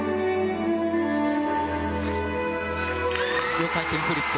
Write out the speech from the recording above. ４回転フリップ。